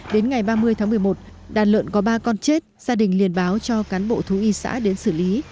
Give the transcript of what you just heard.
đến ngày ba mươi tháng một mươi một đàn lợn có ba con chết gia đình liên báo cho cán bộ thú y xã đến xử lý